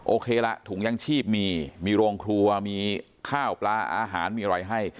โอเคละถุงยังชีพมีมีโรงครัวมีข้าวปลาอาหารมีอะไรให้